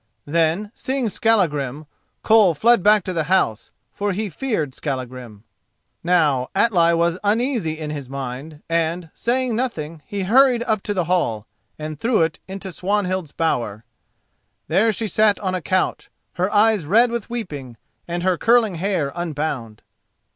Then, seeing Skallagrim, Koll fled back to the house, for he feared Skallagrim. Now Atli was uneasy in his mind, and, saying nothing, he hurried up to the hall, and through it into Swanhild's bower. There she sat on a couch, her eyes red with weeping, and her curling hair unbound.